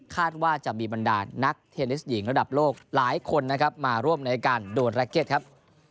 ว่าจะมีบรรดานักเทนนิสหญิงระดับโลกหลายคนนะครับมาร่วมในการโดนแล็กเก็ตครับ